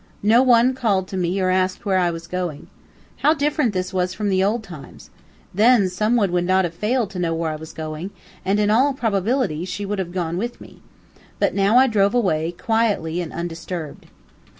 No one called to me or asked where I was going. How different this was from the old times! Then, some one would not have failed to know where I was going, and, in all probability, she would have gone with me. But now I drove away, quietly and undisturbed.